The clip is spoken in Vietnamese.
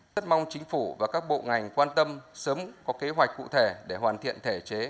tất mong chính phủ và các bộ ngành quan tâm sớm có kế hoạch cụ thể để hoàn thiện thể chế